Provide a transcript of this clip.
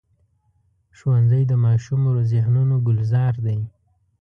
ښوونځی د ماشومو ذهنونو ګلزار دی